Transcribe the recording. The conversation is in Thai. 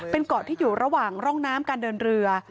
เป็นเกาะที่อยู่ระหว่างร่องน้ำการเดินเรือ